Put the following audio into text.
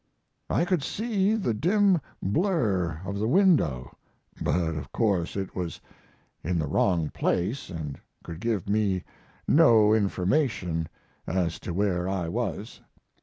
I could see the dim blur of the window, but of course it was in the wrong place and could give me no information as to where I was.